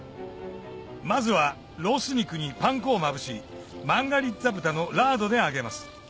まずはロース肉にパン粉をまぶしマンガリッツァ豚のラードで揚げます